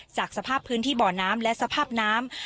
จากสภาพพื้นที่บ่อน้ำและสภาพน้ำ